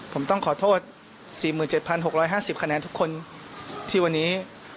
ผมต้องขอโทษ๔๗๖๕๐คะแนนทุกคนที่วันนี้